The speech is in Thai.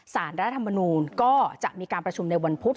รัฐมนูลก็จะมีการประชุมในวันพุธ